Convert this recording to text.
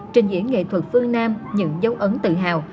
trình diễn nghệ thuật phương nam những dấu ấn tự hào